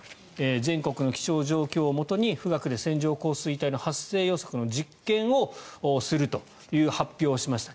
全国の気象状況をもとに富岳で線状降水帯の発生予測の実験をするという発表をしました。